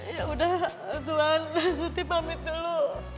ya udah tuhan rasuti pamit dulu